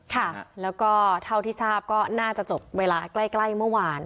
ค่ะแล้วก็เท่าที่ทราบก็น่าจะจบเวลาใกล้ใกล้เมื่อวาน